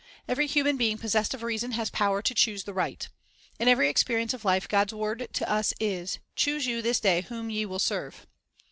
Every human being possessed of reason has power to choose the right. In every experience of life, God's word to us is, "Choose you this day whom ye will serve."